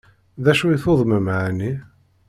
D acu i tuḍnem ɛni?